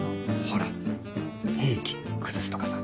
ほら定期崩すとかさ。